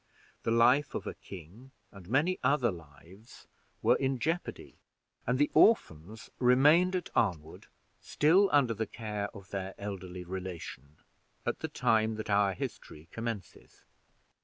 The life of a king and many other lives were in jeopardy, and the orphans remained at Arnwood, still under the care of their elderly relation, at the time that our history commences.